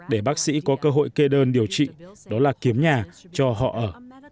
để bác sĩ có cơ hội kê đơn điều trị đó là kiếm nhà cho họ ở